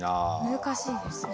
難しいですね。